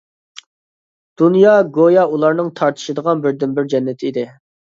دۇنيا گويا ئۇلارنىڭ تارتىشىدىغان بىردىنبىر جەننىتى ئىدى.